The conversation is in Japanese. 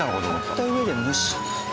貼った上で蒸し。